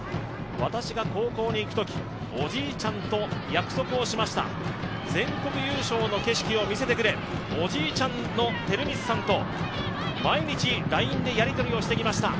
私が高校に行くとき、おじいちゃんと約束をしました、全国優勝の景色を見せてくれ、おじいちゃんの照光さんと毎日ＬＩＮＥでやり取りをしていました。